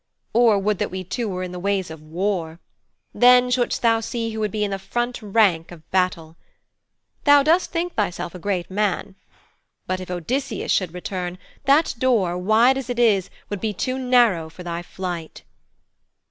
Or would that we two were in the ways of war! Then shouldst thou see who would be in the front rank of battle. Thou dost think thyself a great man. But if Odysseus should return, that door, wide as it is, would be too narrow for thy flight.'